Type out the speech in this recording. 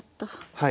はい。